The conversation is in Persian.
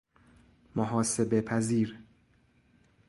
محاسبه پذیر